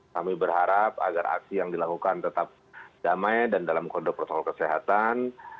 kami berharap agar aksi yang dilakukan tetap damai dan dalam kode protokol kesehatan